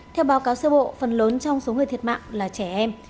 theo báo cáo sơ bộ phần lớn trong số người thiệt mạng là trẻ em